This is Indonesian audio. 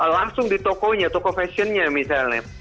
langsung di tokonya toko fashionnya misalnya